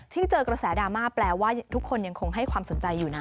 เจอกระแสดราม่าแปลว่าทุกคนยังคงให้ความสนใจอยู่นะ